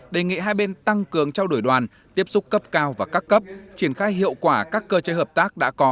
đề nghị hai bên tăng cường trao đổi đoàn tiếp xúc cấp cao và các cấp triển khai hiệu quả các cơ chế hợp tác đã có